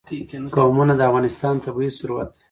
قومونه د افغانستان طبعي ثروت دی.